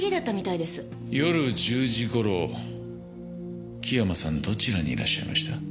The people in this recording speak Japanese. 夜１０時頃木山さんどちらにいらっしゃいました？